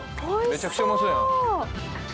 めちゃくちゃうまそうやん。